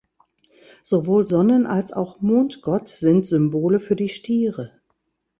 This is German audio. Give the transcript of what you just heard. Sowohl Sonnen- als auch Mondgott sind Symbole für die Stiere.